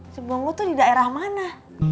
cemungut tuh di daerah mana